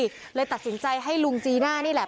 ว่าเอายังไงดีเลยตัดสินใจให้ลุงจีน่านี่แหละ